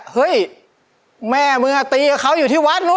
เฮ้ยแม่เมือตีกับเค้าอยู่ที่จริง